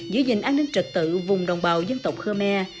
giữ gìn an ninh trật tự vùng đồng bào dân tộc khmer